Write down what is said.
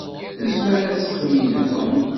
Tezmer ad teddu yid-wen?